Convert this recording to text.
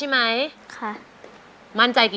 ไม่ใช้ค่ะ